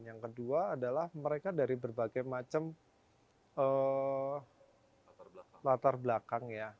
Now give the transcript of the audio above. yang kedua adalah mereka dari berbagai macam latar belakang ya